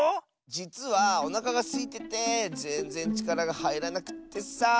じつはおなかがすいててぜんぜんちからがはいらなくってさ。